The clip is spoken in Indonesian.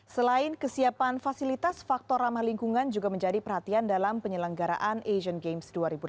selain kesiapan fasilitas faktor ramah lingkungan juga menjadi perhatian dalam penyelenggaraan asian games dua ribu delapan belas